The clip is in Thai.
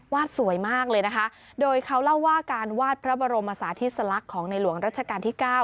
สวยมากเลยนะคะโดยเขาเล่าว่าการวาดพระบรมศาธิสลักษณ์ของในหลวงรัชกาลที่เก้า